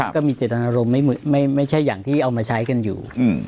ก็มีเจตนารมณ์ไม่ใช่อย่างที่เอามาใช้กันอยู่